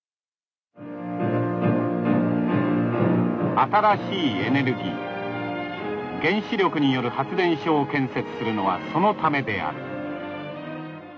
「新しいエネルギー原子力による発電所を建設するのはそのためである」。